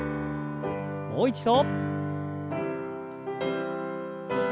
もう一度。